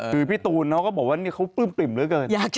คือพี่ตูนเขาก็บอกว่าเขาปลื้มปริ่มเหลือเกิน